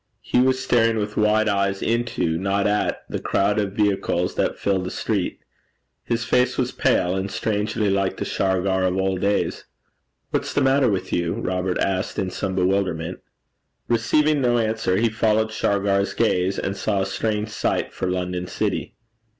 He was staring with wide eyes into, not at the crowd of vehicles that filled the street. His face was pale, and strangely like the Shargar of old days. 'What's the matter with you?' Robert asked in some bewilderment. Receiving no answer, he followed Shargar's gaze, and saw a strange sight for London city.